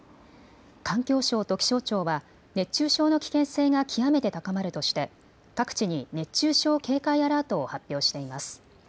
環境省と気象庁は熱中症の危険性が極めて高まるとして各地に熱中症警戒アラートを発表しています。